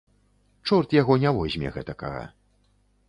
Чорт яго не возьме гэтакага.